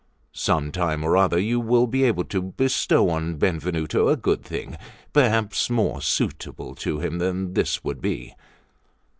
Some time or other you will be able to bestow on Benvenuto a good thing, perhaps more suitable to him than this would be."